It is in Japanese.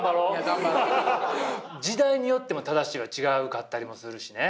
時代によっても正しいが違うかったりもするしね。